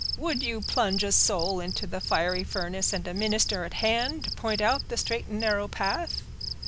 "Would you plunge a soul into the fiery furnace, and a minister at hand to point out the straight and narrow path?"